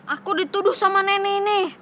aku dituduh sama nenek ini